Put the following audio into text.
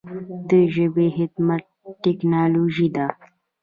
د ژبې خدمت ټکنالوژي ده.